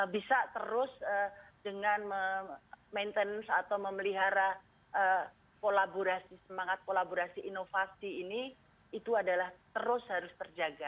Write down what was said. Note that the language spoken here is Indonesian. bisa terus dengan maintenance atau memelihara kolaborasi semangat kolaborasi inovasi ini itu adalah terus harus terjaga